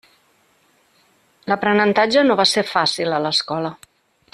L'aprenentatge no va ser fàcil a l'escola.